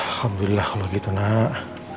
alhamdulillah kalau gitu nak